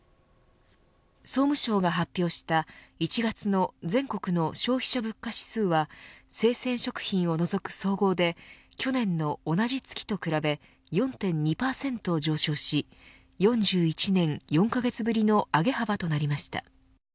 総務省が発表した１月の全国の消費者物価指数は生鮮食品を除く総合で去年の同じ月と比べ４．２％上昇し４１年４カ月ぶりの上げ幅となりました。